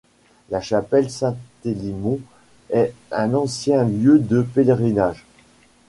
La chapelle Saint-Elymond est un ancien lieu de pèlerinage.